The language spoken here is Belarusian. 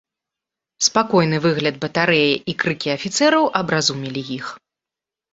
Спакойны выгляд батарэі і крыкі афіцэраў абразумілі іх.